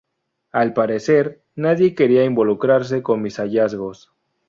Al parecer, nadie quería involucrarse con mis hallazgos.